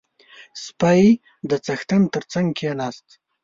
• سپی د څښتن تر څنګ کښېناست.